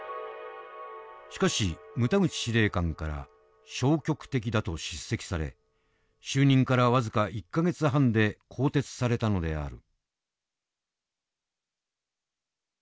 しかし牟田口司令官から「消極的だ」と叱責され就任から僅か１か月半で更迭されたのである。